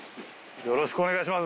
よろしくお願いします！